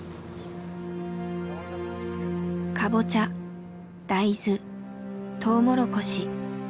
カボチャ大豆トウモロコシ。